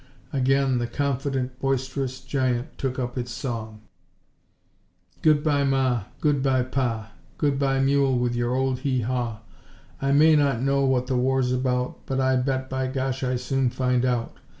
Again the confident, boisterous giant took up its song: "Good bye Ma, good bye Pa, Good bye mule with your old he haw. I may not know what the war's about But I bet by Gosh I soon find out!